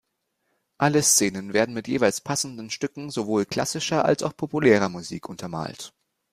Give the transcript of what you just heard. Alle Szenen werden mit jeweils passenden Stücken sowohl klassischer als auch populärer Musik untermalt.